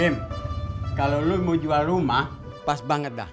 kalau lo mau jual rumah pas banget dah